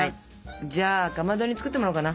じゃあかまどに作ってもらおうかな。